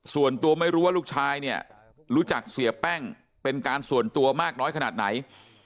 ส่วนตัวไม่รู้ว่าลูกชายเนี่ยรู้จักเสียแป้งเป็นการส่วนตัวมากน้อยขนาดไหน